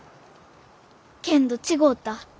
けんど違うた。